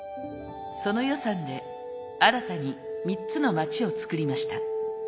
その予算で新たに３つの街を作りました。